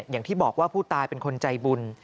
อย่างที่บอกว่าผู้ตายเป็นคนใจบุญ